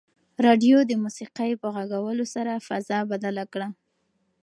راډیو د موسیقۍ په غږولو سره فضا بدله کړه.